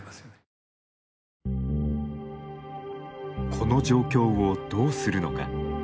この状況をどうするのか。